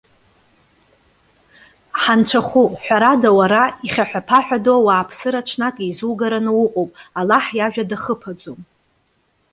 Ҳанцәахәы! Ҳәарада, уара, ихьаҳәа-ԥаҳәадоу ауааԥсыра ҽнак иеизугараны уҟоуп. Аллаҳ иажәа дахыԥаӡом.